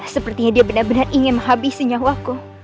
sepertinya dia benar benar ingin menghabisi nyawaku